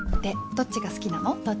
どっちが好きなん？